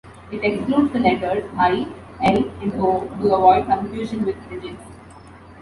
It excludes the letters I, L, and O to avoid confusion with digits.